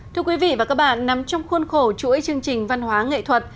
thưa quý vị và các bạn nằm trong khuôn khổ chuỗi chương trình văn hóa nghệ thuật